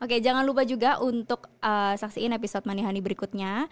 oke jangan lupa juga untuk saksiin episode manihani berikutnya